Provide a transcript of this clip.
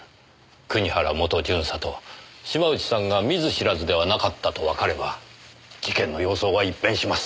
国原元巡査と島内さんが見ず知らずではなかったとわかれば事件の様相は一変します。